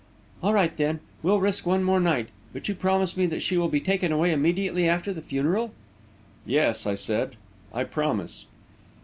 "All right, then; we'll risk one night more. But you promise me that she shall be taken away immediately after the funeral?" "Yes," I said, "I promise."